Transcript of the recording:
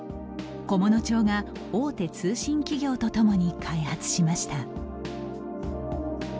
菰野町が大手通信企業と共に開発しました。